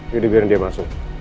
yaudah biarin dia masuk